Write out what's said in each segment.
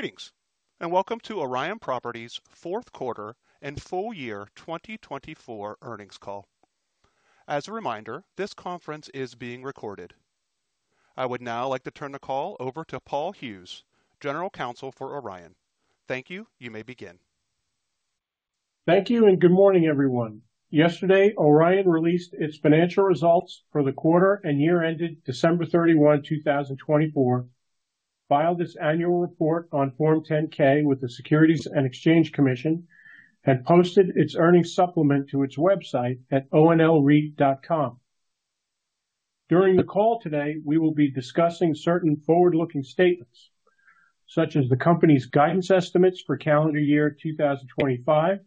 Greetings, and welcome to Orion Properties' fourth quarter and full year 2024 earnings call. As a reminder, this conference is being recorded. I would now like to turn the call over to Paul Hughes, General Counsel for Orion. Thank you, you may begin. Thank you, and good morning, everyone. Yesterday, Orion released its financial results for the quarter and year ended December 31, 2024, filed its annual report on Form 10-K with the Securities and Exchange Commission, and posted its earnings supplement to its website at onlreit.com. During the call today, we will be discussing certain forward-looking statements, such as the company's guidance estimates for calendar year 2025,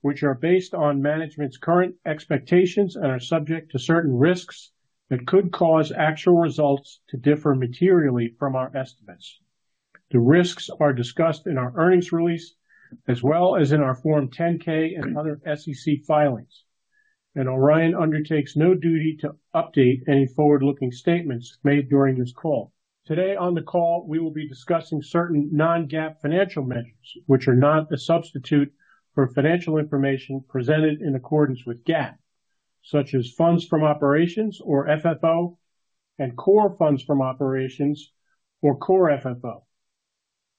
which are based on management's current expectations and are subject to certain risks that could cause actual results to differ materially from our estimates. The risks are discussed in our earnings release, as well as in our Form 10-K and other SEC filings, and Orion undertakes no duty to update any forward-looking statements made during this call. Today on the call, we will be discussing certain non-GAAP financial measures, which are not a substitute for financial information presented in accordance with GAAP, such as funds from operations or FFO, and core funds from operations or core FFO.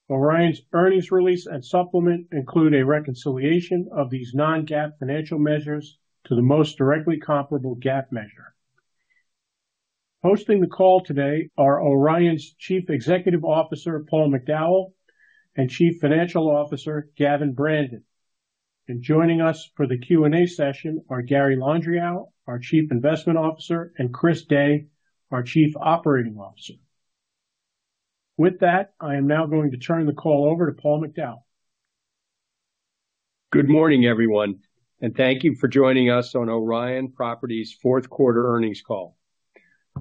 Orion's earnings release and supplement include a reconciliation of these non-GAAP financial measures to the most directly comparable GAAP measure. Hosting the call today are Orion's Chief Executive Officer, Paul McDowell, and Chief Financial Officer, Gavin Brandon. Joining us for the Q&A session are Gary Landriau, our Chief Investment Officer, and Chris Day, our Chief Operating Officer. With that, I am now going to turn the call over to Paul McDowell. Good morning, everyone, and thank you for joining us on Orion Properties' fourth quarter earnings call.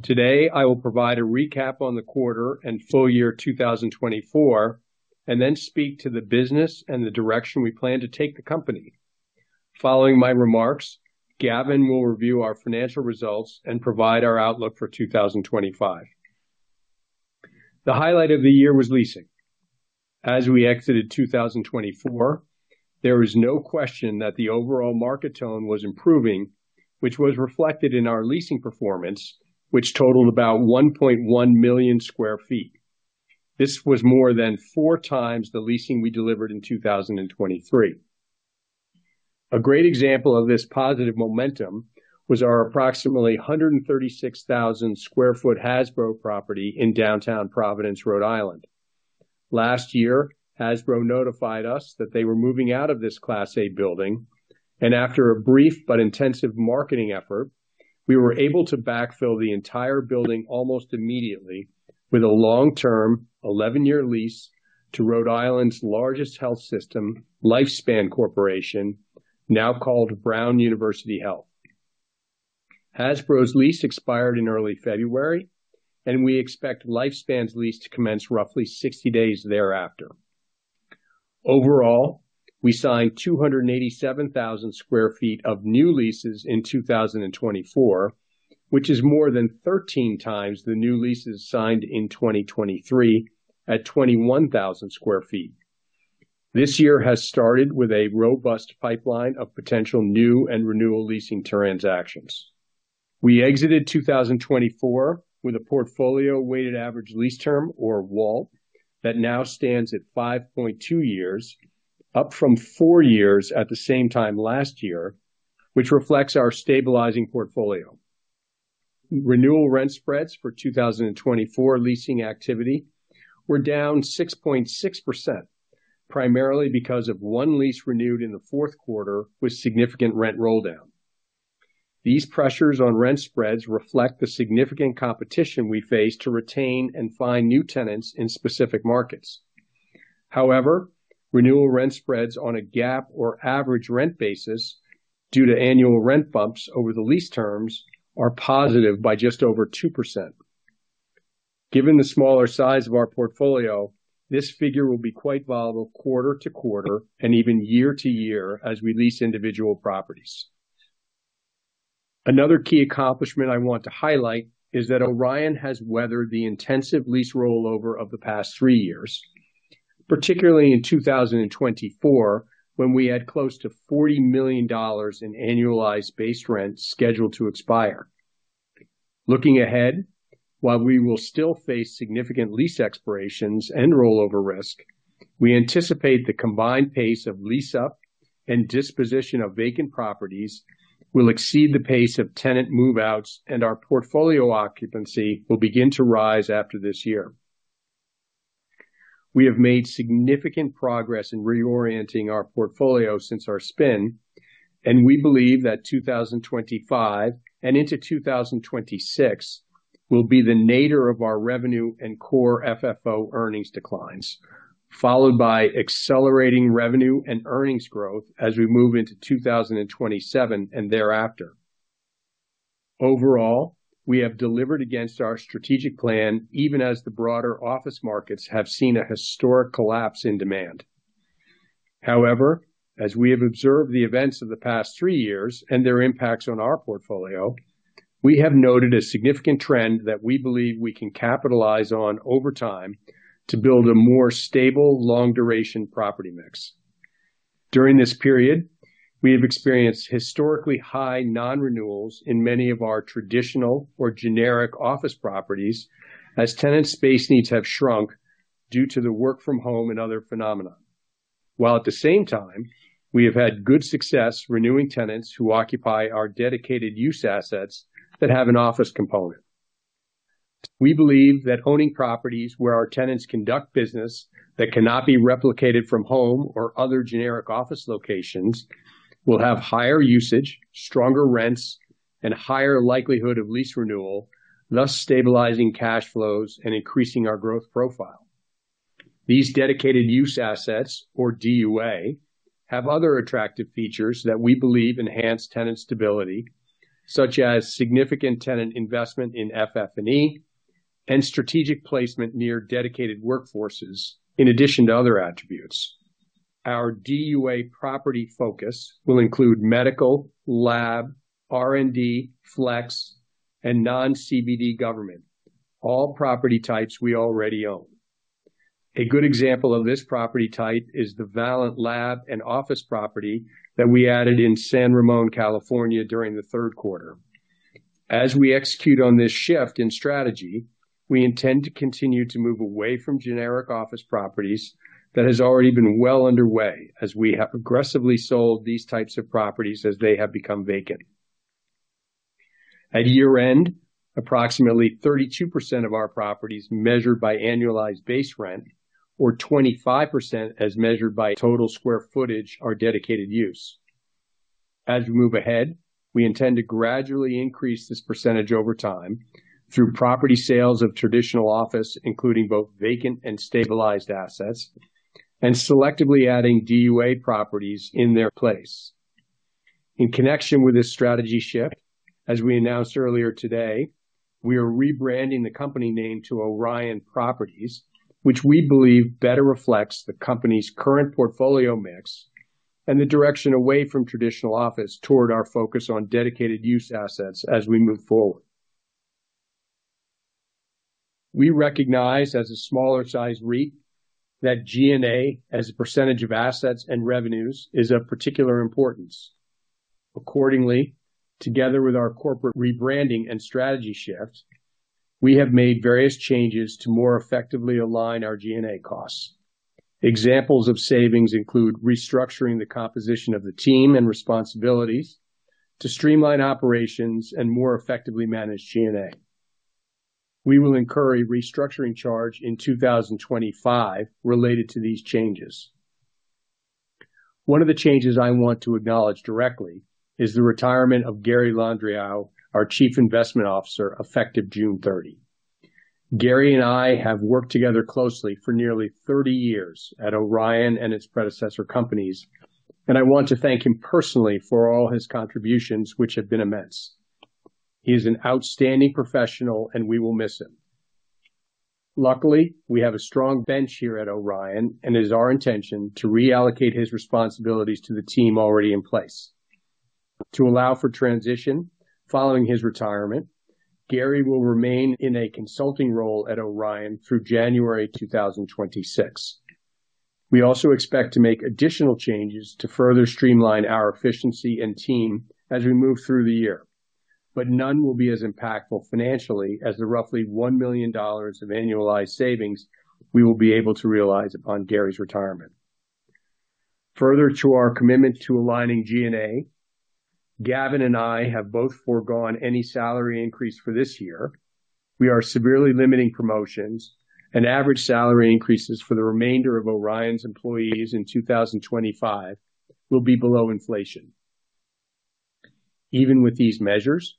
Today, I will provide a recap on the quarter and full year 2024, and then speak to the business and the direction we plan to take the company. Following my remarks, Gavin will review our financial results and provide our outlook for 2025. The highlight of the year was leasing. As we exited 2024, there is no question that the overall market tone was improving, which was reflected in our leasing performance, which totaled about 1.1 million sq ft. This was more than four times the leasing we delivered in 2023. A great example of this positive momentum was our approximately 136,000 sq ft Hasbro property in downtown Providence, Rhode Island. Last year, Hasbro notified us that they were moving out of this Class A building, and after a brief but intensive marketing effort, we were able to backfill the entire building almost immediately with a long-term, 11-year lease to Rhode Island's largest health system, Lifespan Corporation, now called Brown University Health. Hasbro's lease expired in early February, and we expect Lifespan's lease to commence roughly 60 days thereafter. Overall, we signed 287,000 sq ft of new leases in 2024, which is more than 13 times the new leases signed in 2023 at 21,000 sq ft. This year has started with a robust pipeline of potential new and renewal leasing transactions. We exited 2024 with a portfolio-weighted average lease term, or WALT, that now stands at 5.2 years, up from 4 years at the same time last year, which reflects our stabilizing portfolio. Renewal rent spreads for 2024 leasing activity were down 6.6%, primarily because of one lease renewed in the fourth quarter with significant rent roll-down. These pressures on rent spreads reflect the significant competition we face to retain and find new tenants in specific markets. However, renewal rent spreads on a GAAP or average rent basis due to annual rent bumps over the lease terms are positive by just over 2%. Given the smaller size of our portfolio, this figure will be quite volatile quarter to quarter and even year to year as we lease individual properties. Another key accomplishment I want to highlight is that Orion has weathered the intensive lease rollover of the past three years, particularly in 2024 when we had close to $40 million in annualized base rent scheduled to expire. Looking ahead, while we will still face significant lease expirations and rollover risk, we anticipate the combined pace of lease-up and disposition of vacant properties will exceed the pace of tenant move-outs, and our portfolio occupancy will begin to rise after this year. We have made significant progress in reorienting our portfolio since our spin, and we believe that 2025 and into 2026 will be the nadir of our revenue and core FFO earnings declines, followed by accelerating revenue and earnings growth as we move into 2027 and thereafter. Overall, we have delivered against our strategic plan even as the broader office markets have seen a historic collapse in demand. However, as we have observed the events of the past three years and their impacts on our portfolio, we have noted a significant trend that we believe we can capitalize on over time to build a more stable, long-duration property mix. During this period, we have experienced historically high non-renewals in many of our traditional or generic office properties as tenant space needs have shrunk due to the work-from-home and other phenomena, while at the same time, we have had good success renewing tenants who occupy our dedicated use assets that have an office component. We believe that owning properties where our tenants conduct business that cannot be replicated from home or other generic office locations will have higher usage, stronger rents, and higher likelihood of lease renewal, thus stabilizing cash flows and increasing our growth profile. These dedicated use assets, or DUA, have other attractive features that we believe enhance tenant stability, such as significant tenant investment in FF&E and strategic placement near dedicated workforces, in addition to other attributes. Our DUA property focus will include medical, lab, R&D, flex, and non-CBD government, all property types we already own. A good example of this property type is the Valent Lab and Office property that we added in San Ramon, California, during the third quarter. As we execute on this shift in strategy, we intend to continue to move away from generic office properties that have already been well underway as we have aggressively sold these types of properties as they have become vacant. At year-end, approximately 32% of our properties measured by annualized base rent, or 25% as measured by total square footage, are dedicated use. As we move ahead, we intend to gradually increase this % over time through property sales of traditional office, including both vacant and stabilized assets, and selectively adding DUA properties in their place. In connection with this strategy shift, as we announced earlier today, we are rebranding the company name to Orion Properties, which we believe better reflects the company's current portfolio mix and the direction away from traditional office toward our focus on dedicated use assets as we move forward. We recognize as a smaller-sized REIT that G&A, as a % of assets and revenues, is of particular importance. Accordingly, together with our corporate rebranding and strategy shift, we have made various changes to more effectively align our G&A costs. Examples of savings include restructuring the composition of the team and responsibilities to streamline operations and more effectively manage G&A. We will incur a restructuring charge in 2025 related to these changes. One of the changes I want to acknowledge directly is the retirement of Gary Landriau, our Chief Investment Officer, effective June 30. Gary and I have worked together closely for nearly 30 years at Orion and its predecessor companies, and I want to thank him personally for all his contributions, which have been immense. He is an outstanding professional, and we will miss him. Luckily, we have a strong bench here at Orion, and it is our intention to reallocate his responsibilities to the team already in place. To allow for transition following his retirement, Gary will remain in a consulting role at Orion through January 2026. We also expect to make additional changes to further streamline our efficiency and team as we move through the year, but none will be as impactful financially as the roughly $1 million of annualized savings we will be able to realize upon Gary's retirement. Further to our commitment to aligning G&A, Gavin and I have both foregone any salary increase for this year. We are severely limiting promotions, and average salary increases for the remainder of Orion's employees in 2025 will be below inflation. Even with these measures,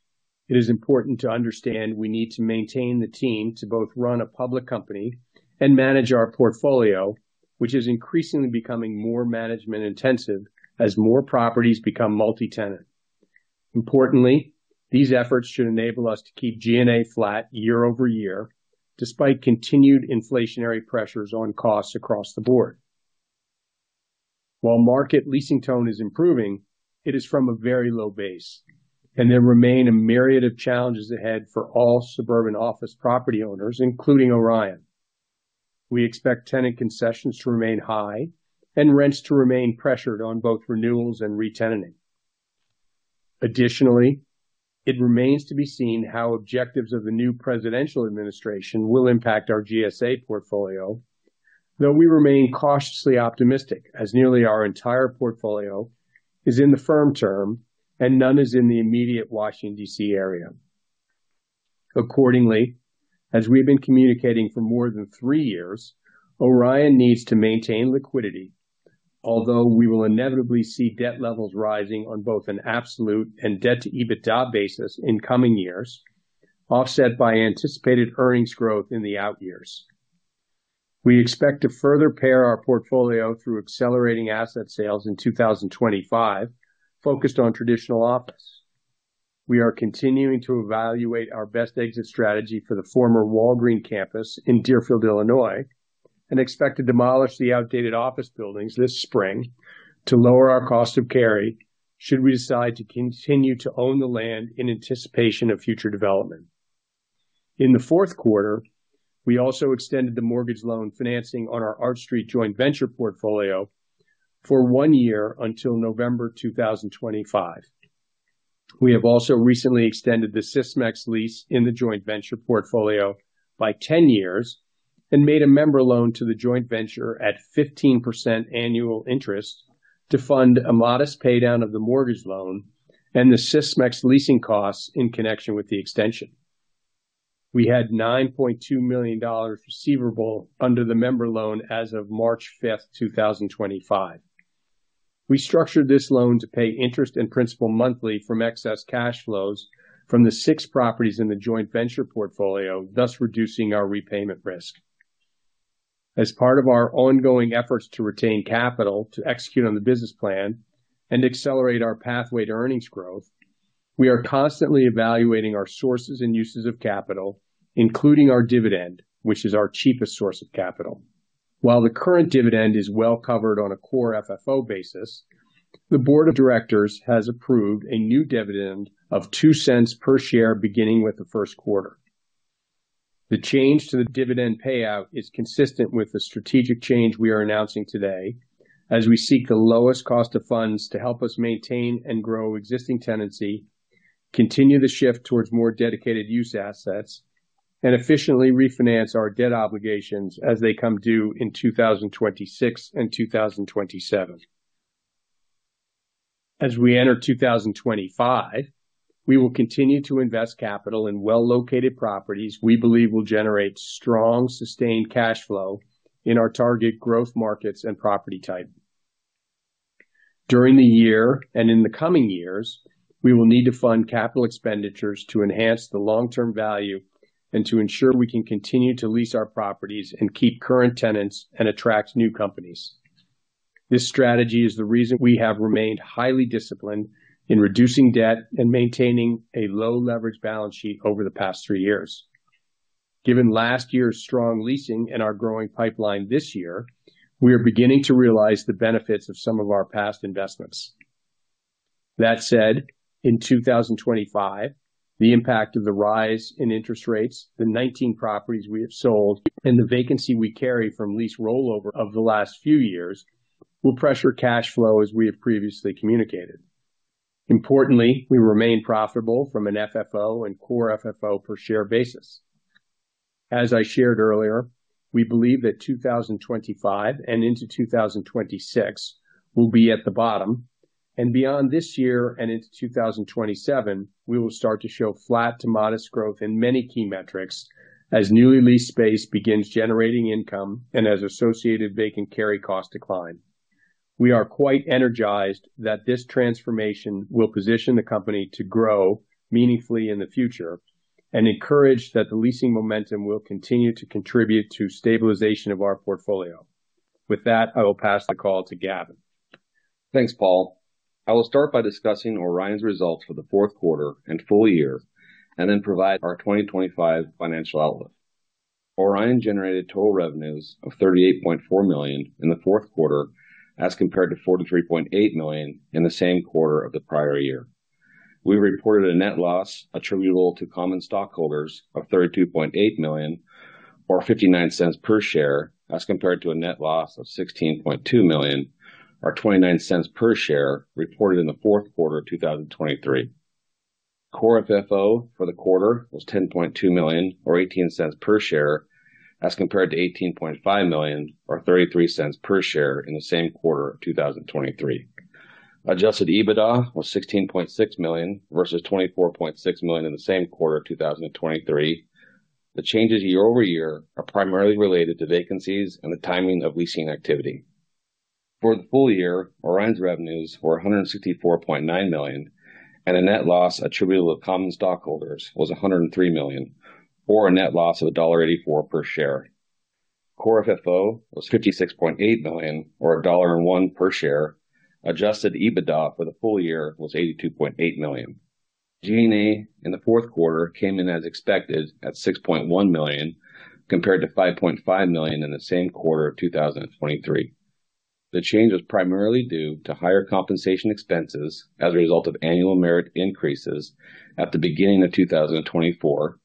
it is important to understand we need to maintain the team to both run a public company and manage our portfolio, which is increasingly becoming more management-intensive as more properties become multi-tenant. Importantly, these efforts should enable us to keep G&A flat year over year, despite continued inflationary pressures on costs across the board. While market leasing tone is improving, it is from a very low base, and there remain a myriad of challenges ahead for all suburban office property owners, including Orion. We expect tenant concessions to remain high and rents to remain pressured on both renewals and re-tenanting. Additionally, it remains to be seen how objectives of the new presidential administration will impact our GSA portfolio, though we remain cautiously optimistic as nearly our entire portfolio is in the firm term and none is in the immediate Washington, D.C. area. Accordingly, as we have been communicating for more than three years, Orion needs to maintain liquidity, although we will inevitably see debt levels rising on both an absolute and debt-to-EBITDA basis in coming years, offset by anticipated earnings growth in the out years. We expect to further pare our portfolio through accelerating asset sales in 2025, focused on traditional office. We are continuing to evaluate our best exit strategy for the former Walgreens campus in Deerfield, Illinois, and expect to demolish the outdated office buildings this spring to lower our cost of carry should we decide to continue to own the land in anticipation of future development. In the fourth quarter, we also extended the mortgage loan financing on our Arch Street Joint Venture portfolio for one year until November 2025. We have also recently extended the Sysmex lease in the Joint Venture portfolio by 10 years and made a member loan to the Joint Venture at 15% annual interest to fund a modest paydown of the mortgage loan and the Sysmex leasing costs in connection with the extension. We had $9.2 million receivable under the member loan as of March 5, 2025. We structured this loan to pay interest and principal monthly from excess cash flows from the six properties in the Joint Venture portfolio, thus reducing our repayment risk. As part of our ongoing efforts to retain capital to execute on the business plan and accelerate our pathway to earnings growth, we are constantly evaluating our sources and uses of capital, including our dividend, which is our cheapest source of capital. While the current dividend is well covered on a core FFO basis, the board of directors has approved a new dividend of $0.02 per share beginning with the first quarter. The change to the dividend payout is consistent with the strategic change we are announcing today as we seek the lowest cost of funds to help us maintain and grow existing tenancy, continue the shift towards more dedicated use assets, and efficiently refinance our debt obligations as they come due in 2026 and 2027. As we enter 2025, we will continue to invest capital in well-located properties we believe will generate strong, sustained cash flow in our target growth markets and property type. During the year and in the coming years, we will need to fund capital expenditures to enhance the long-term value and to ensure we can continue to lease our properties and keep current tenants and attract new companies. This strategy is the reason we have remained highly disciplined in reducing debt and maintaining a low-leverage balance sheet over the past three years. Given last year's strong leasing and our growing pipeline this year, we are beginning to realize the benefits of some of our past investments. That said, in 2025, the impact of the rise in interest rates, the 19 properties we have sold, and the vacancy we carry from lease rollover of the last few years will pressure cash flow as we have previously communicated. Importantly, we remain profitable from an FFO and core FFO per share basis. As I shared earlier, we believe that 2025 and into 2026 will be at the bottom, and beyond this year and into 2027, we will start to show flat to modest growth in many key metrics as newly leased space begins generating income and as associated vacant carry costs decline. We are quite energized that this transformation will position the company to grow meaningfully in the future and encourage that the leasing momentum will continue to contribute to stabilization of our portfolio. With that, I will pass the call to Gavin. Thanks, Paul. I will start by discussing Orion's results for the fourth quarter and full year and then provide our 2025 financial outlook. Orion generated total revenues of $38.4 million in the fourth quarter as compared to $43.8 million in the same quarter of the prior year. We reported a net loss attributable to common stockholders of $32.8 million, or $0.59 per share, as compared to a net loss of $16.2 million, or $0.29 per share reported in the fourth quarter of 2023. Core FFO for the quarter was $10.2 million, or $0.18 per share, as compared to $18.5 million, or $0.33 per share in the same quarter of 2023. Adjusted EBITDA was $16.6 million versus $24.6 million in the same quarter of 2023. The changes year over year are primarily related to vacancies and the timing of leasing activity. For the full year, Orion's revenues were $164.9 million, and a net loss attributable to common stockholders was $103 million, or a net loss of $1.84 per share. Core FFO was $56.8 million, or $1.01 per share. Adjusted EBITDA for the full year was $82.8 million. G&A in the fourth quarter came in as expected at $6.1 million compared to $5.5 million in the same quarter of 2023. The change was primarily due to higher compensation expenses as a result of annual merit increases at the beginning of 2024,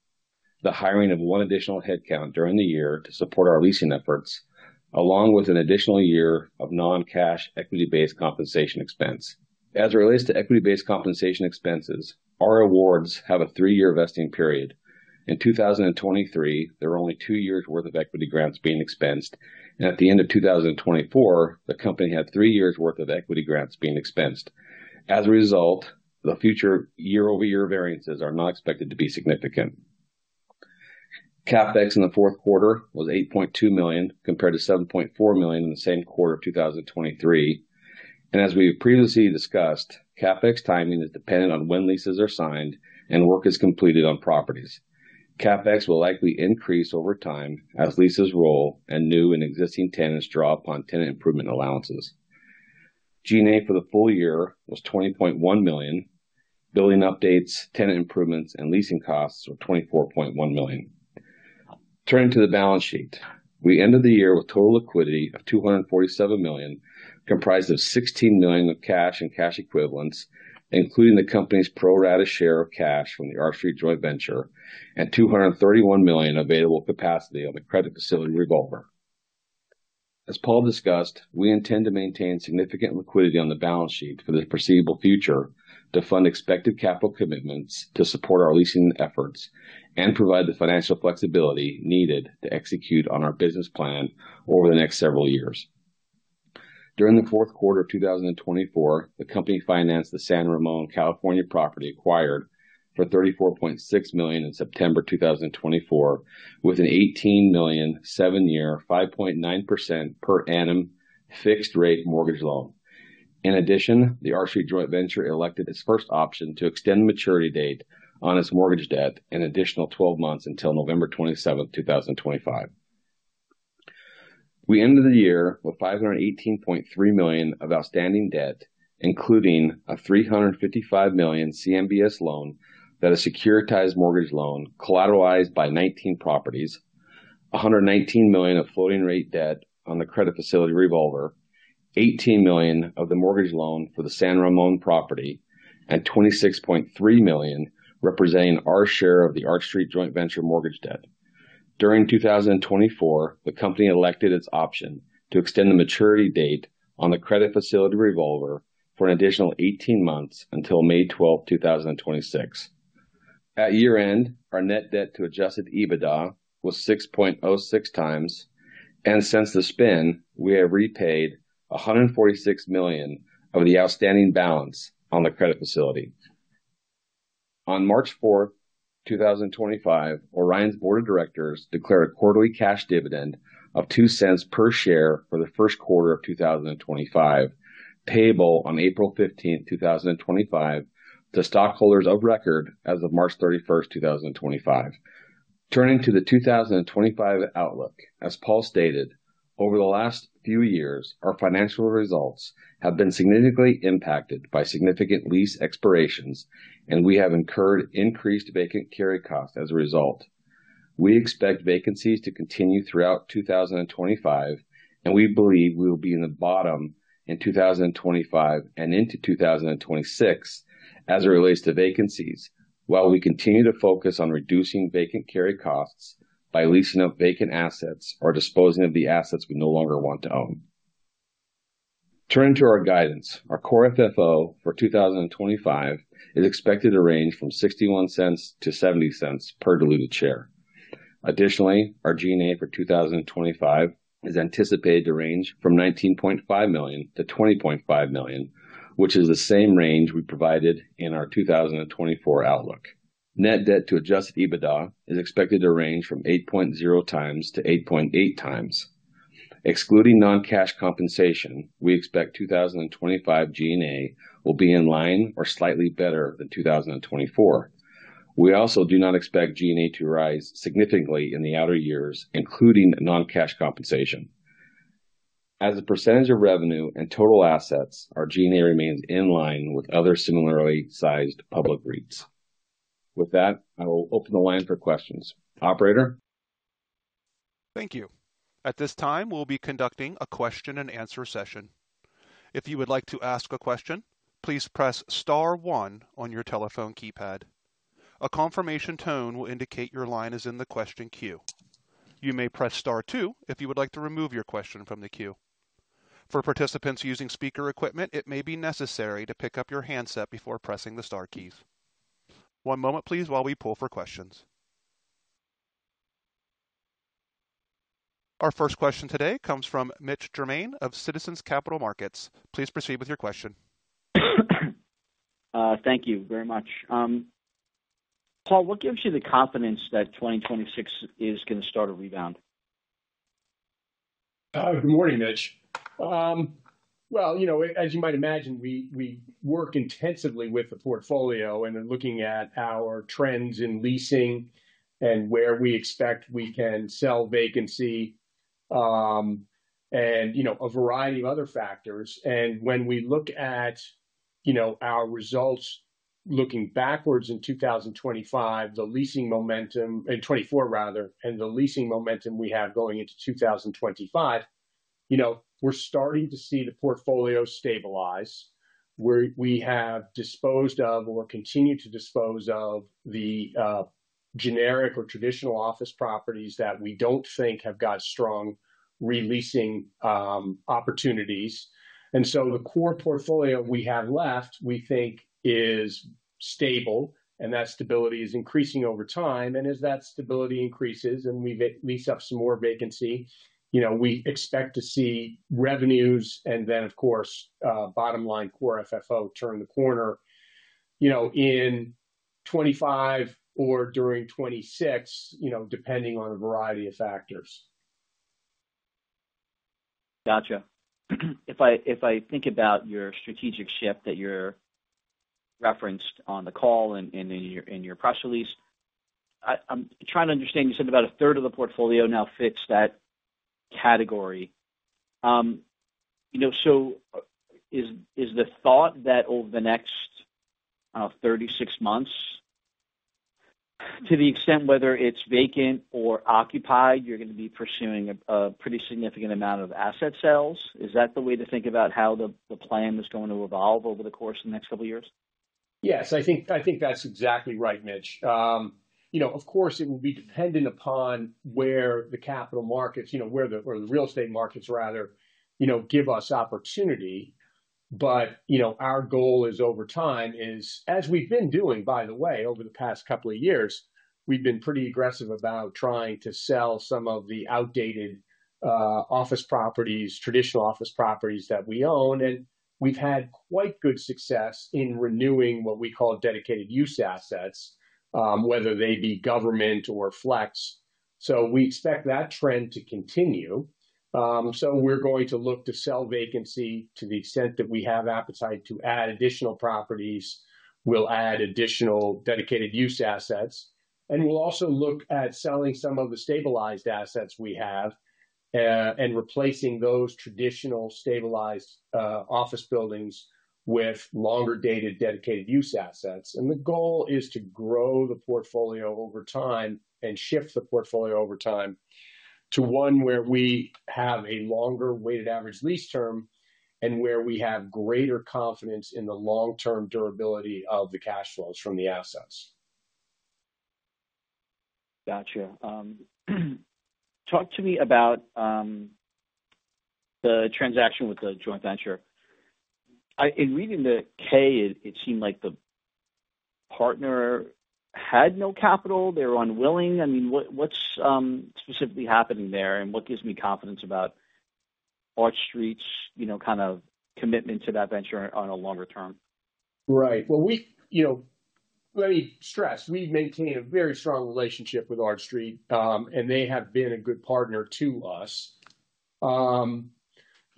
the hiring of one additional headcount during the year to support our leasing efforts, along with an additional year of non-cash equity-based compensation expense. As it relates to equity-based compensation expenses, our awards have a three-year vesting period. In 2023, there were only two years' worth of equity grants being expensed, and at the end of 2024, the company had three years' worth of equity grants being expensed. As a result, the future year-over-year variances are not expected to be significant. CapEx in the fourth quarter was $8.2 million compared to $7.4 million in the same quarter of 2023. As we have previously discussed, CapEx timing is dependent on when leases are signed and work is completed on properties. CapEx will likely increase over time as leases roll and new and existing tenants draw upon tenant improvement allowances. G&A for the full year was $20.1 million. Building updates, tenant improvements, and leasing costs were $24.1 million. Turning to the balance sheet, we ended the year with total liquidity of $247 million, comprised of $16 million of cash and cash equivalents, including the company's pro rata share of cash from the Arch Street Joint Venture and $231 million available capacity on the credit facility revolver. As Paul discussed, we intend to maintain significant liquidity on the balance sheet for the foreseeable future to fund expected capital commitments to support our leasing efforts and provide the financial flexibility needed to execute on our business plan over the next several years. During the fourth quarter of 2024, the company financed the San Ramon, California, property acquired for $34.6 million in September 2024 with an $18 million, seven year, 5.9% per annum fixed-rate mortgage loan. In addition, the Arch Street Joint Venture elected its first option to extend the maturity date on its mortgage debt an additional 12 months until November 27, 2025. We ended the year with $518.3 million of outstanding debt, including a $355 million CMBS loan that is a securitized mortgage loan collateralized by 19 properties, $119 million of floating-rate debt on the credit facility revolver, $18 million of the mortgage loan for the San Ramon property, and $26.3 million representing our share of the Arch Street Joint Venture mortgage debt. During 2024, the company elected its option to extend the maturity date on the credit facility revolver for an additional 18 months until May 12, 2026. At year-end, our net debt to adjusted EBITDA was 6.06 times, and since the spin, we have repaid $146 million of the outstanding balance on the credit facility. On March 4, 2025, Orion's board of directors declared a quarterly cash dividend of $0.02 per share for the first quarter of 2025, payable on April 15, 2025, to stockholders of record as of March 31, 2025. Turning to the 2025 outlook, as Paul stated, over the last few years, our financial results have been significantly impacted by significant lease expirations, and we have incurred increased vacant carry costs as a result. We expect vacancies to continue throughout 2025, and we believe we will be in the bottom in 2025 and into 2026 as it relates to vacancies, while we continue to focus on reducing vacant carry costs by leasing up vacant assets or disposing of the assets we no longer want to own. Turning to our guidance, our core FFO for 2025 is expected to range from $0.61-$0.70 per diluted share. Additionally, our G&A for 2025 is anticipated to range from $19.5 million-$20.5 million, which is the same range we provided in our 2024 outlook. Net debt to adjusted EBITDA is expected to range from 8.0 times-8.8 times. Excluding non-cash compensation, we expect 2025 G&A will be in line or slightly better than 2024. We also do not expect G&A to rise significantly in the outer years, including non-cash compensation. As a percentage of revenue and total assets, our G&A remains in line with other similarly sized public REITs. With that, I will open the line for questions. Operator? Thank you. At this time, we'll be conducting a question-and-answer session. If you would like to ask a question, please press Star one on your telephone keypad. A confirmation tone will indicate your line is in the question queue. You may press Star two if you would like to remove your question from the queue. For participants using speaker equipment, it may be necessary to pick up your handset before pressing the Star keys. One moment, please, while we pull for questions. Our first question today comes from Mitch Germain of Citizens Capital Markets. Please proceed with your question. Thank you very much. Paul, what gives you the confidence that 2026 is going to start a rebound? Good morning, Mitch. As you might imagine, we work intensively with the portfolio and are looking at our trends in leasing and where we expect we can sell vacancy and a variety of other factors. When we look at our results looking backwards in 2025, the leasing momentum in 2024, rather, and the leasing momentum we have going into 2025, you know, we're starting to see the portfolio stabilize. We have disposed of or continue to dispose of the generic or traditional office properties that we don't think have got strong re-leasing opportunities. The core portfolio we have left, we think, is stable, and that stability is increasing over time. As that stability increases and we lease up some more vacancy, you know, we expect to see revenues and then, of course, bottom line core FFO turn the corner, you know, in 2025 or during 2026, you know, depending on a variety of factors. Gotcha. If I think about your strategic shift that you referenced on the call and in your press release, I'm trying to understand. You said about a third of the portfolio now fits that category. You know, so is the thought that over the next, I don't know, 36 months, to the extent whether it's vacant or occupied, you're going to be pursuing a pretty significant amount of asset sales? Is that the way to think about how the plan is going to evolve over the course of the next couple of years? Yes. I think that's exactly right, Mitch. You know, of course, it will be dependent upon where the capital markets, you know, where the real estate markets, rather, you know, give us opportunity. But, you know, our goal over time is, as we've been doing, by the way, over the past couple of years, we've been pretty aggressive about trying to sell some of the outdated office properties, traditional office properties that we own. And we've had quite good success in renewing what we call dedicated use assets, whether they be government or flex. We expect that trend to continue. We are going to look to sell vacancy to the extent that we have appetite to add additional properties. We'll add additional dedicated use assets. We will also look at selling some of the stabilized assets we have and replacing those traditional stabilized office buildings with longer-dated dedicated use assets. The goal is to grow the portfolio over time and shift the portfolio over time to one where we have a longer weighted average lease term and where we have greater confidence in the long-term durability of the cash flows from the assets. Gotcha. Talk to me about the transaction with the joint venture. In reading the K, it seemed like the partner had no capital. They were unwilling. I mean, what's specifically happening there and what gives me confidence about Arch Street's, you know, kind of commitment to that venture on a longer term? Right. We, you know, let me stress, we maintain a very strong relationship with Arch Street, and they have been a good partner to us.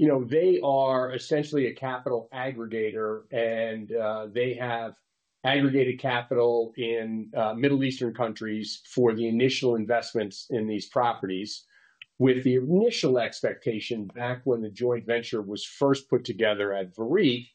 You know, they are essentially a capital aggregator, and they have aggregated capital in Middle Eastern countries for the initial investments in these properties, with the initial expectation back when the joint venture was first put together at Arch Street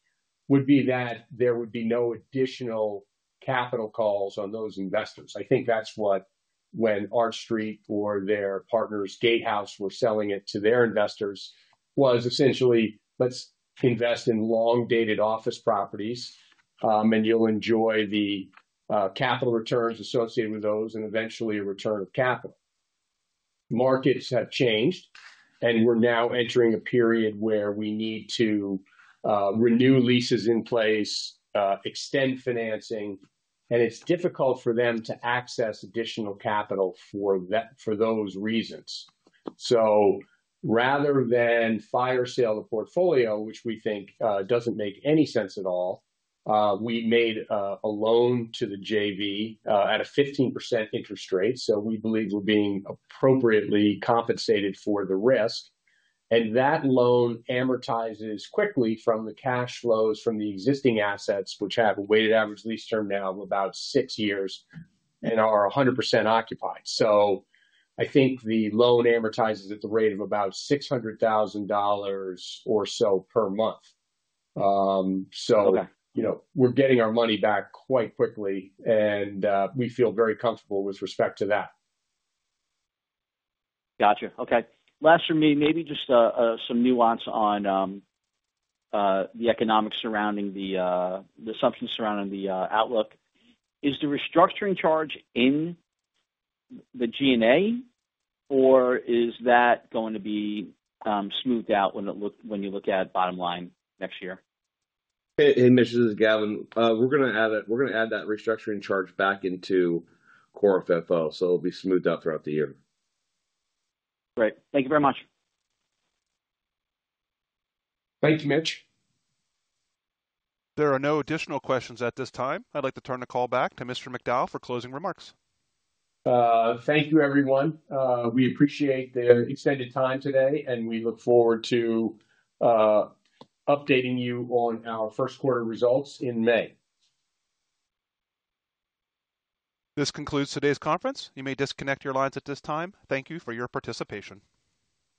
would be that there would be no additional capital calls on those investors. I think that's what when Arch Street or their partners, Gatehouse, were selling it to their investors was essentially, "Let's invest in long-dated office properties, and you'll enjoy the capital returns associated with those and eventually a return of capital." Markets have changed, and we're now entering a period where we need to renew leases in place, extend financing, and it's difficult for them to access additional capital for those reasons. Rather than fire sale the portfolio, which we think doesn't make any sense at all, we made a loan to the JV at a 15% interest rate. We believe we're being appropriately compensated for the risk. That loan amortizes quickly from the cash flows from the existing assets, which have a weighted average lease term now of about six years and are 100% occupied. I think the loan amortizes at the rate of about $600,000 or so per month. You know, we're getting our money back quite quickly, and we feel very comfortable with respect to that. Gotcha. Okay. Last for me, maybe just some nuance on the economics surrounding the assumptions surrounding the outlook. Is the restructuring charge in the G&A, or is that going to be smoothed out when you look at bottom line next year? Hey, Mitchell. This is Gavin. We're going to add that restructuring charge back into core FFO, so it'll be smoothed out throughout the year. Great. Thank you very much. Thank you, Mitch. There are no additional questions at this time. I'd like to turn the call back to Mr. McDowell for closing remarks. Thank you, everyone. We appreciate the extended time today, and we look forward to updating you on our first quarter results in May. This concludes today's conference. You may disconnect your lines at this time. Thank you for your participation.